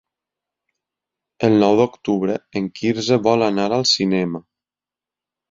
El nou d'octubre en Quirze vol anar al cinema.